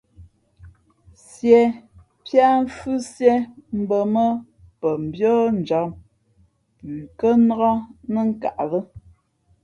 Sīē píá pαmfhʉ́síé mbᾱ mά pαmbíάnjam pʉ kά nák nά nkaʼ lά.